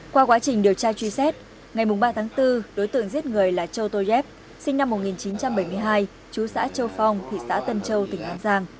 qua quá trình điều tra truy xét ngày bốn ba bốn đối tượng giết người là châu tô dép sinh năm một nghìn chín trăm bảy mươi hai chú xã châu phong thị xã tân châu tỉnh hán giang